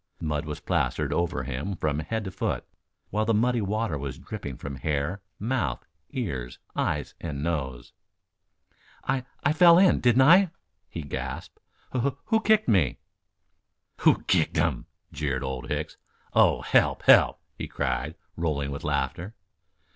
Mud was plastered over him from head to foot, while the muddy water was dripping from hair, mouth, ears, eyes and nose. "I I fell in, didn't I?" he gasped. "Wh who kicked me?" "Who kicked him?" jeered Old Hicks. "Oh, help, help!" he cried, rolling with laughter.